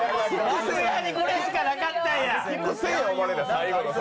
楽屋にこれしかなかったんや！！